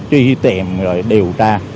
truy tìm rồi điều tra